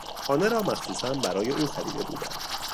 خانه را مخصوصا برای او خریده بودند.